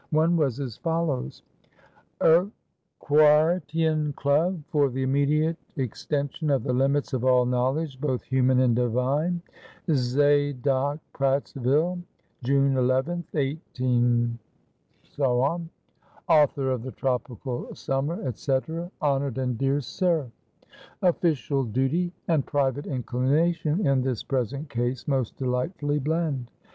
One was as follows: "Urquhartian Club for the Immediate Extension of the Limits of all Knowledge, both Human and Divine. "ZADOCKPRATTSVILLE, "_June 11th, 18 _. "Author of the 'Tropical Summer,' &c. "HONORED AND DEAR SIR: "Official duty and private inclination in this present case most delightfully blend.